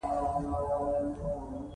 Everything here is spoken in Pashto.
طبیعي زیرمې د افغانانو ژوند اغېزمن کوي.